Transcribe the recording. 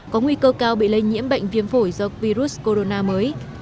có nguy cơ cao bị lây nhiễm bệnh viêm phổi do virus corona mới